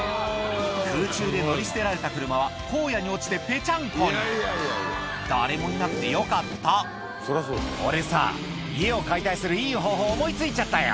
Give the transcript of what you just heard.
空中で乗り捨てられた車は荒野に落ちてぺちゃんこに誰もいなくてよかった「俺さ家を解体するいい方法思い付いちゃったよ」